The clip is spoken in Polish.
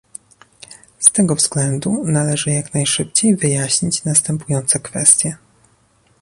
Z tego względu należy jak najszybciej wyjaśnić następujące kwestie